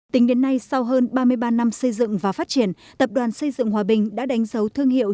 tính đến nay sau hơn ba mươi ba năm xây dựng và phát triển tập đoàn xây dựng hòa bình đã đánh dấu thương hiệu